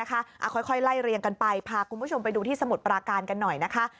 ค่อยไล่เรียงกันไปพาคุณผู้ชมไปดูที่สมุทรปราการกันหน่อยนะคะ